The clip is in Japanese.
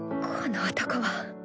この男は！